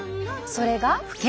それが。